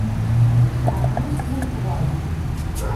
Ɛqel-it tunfeḍ-as!